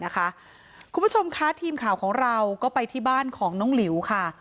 คุณผู้ชมคะทีมข่าวของเราก็ไปที่บ้านของน้องหลิวค่ะ